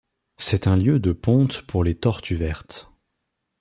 C’est un lieu de ponte pour les tortues vertes.